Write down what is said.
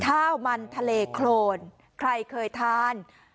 ข้าวมันทะเลโครนใครเคยทาน